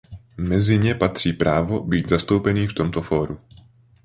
Mezi ně patří právo být zastoupený v tomto fóru.